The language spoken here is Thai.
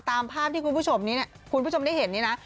ตามภาพที่คุณผู้ชมนี้คุณผู้ชมได้เห็นนี่นะ